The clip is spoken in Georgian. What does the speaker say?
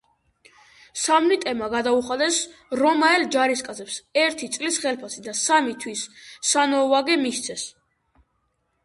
სამნიტებმა გადაუხადეს რომაელ ჯარისკაცებს ერთი წლის ხელფასი და სამი თვის სანოვაგე მისცეს.